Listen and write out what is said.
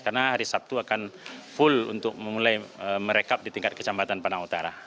karena hari sabtu akan full untuk mulai merekap di tingkat kecamatan padang utara